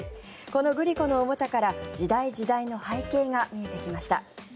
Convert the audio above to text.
このグリコのおもちゃから時代時代の背景が見えてきました。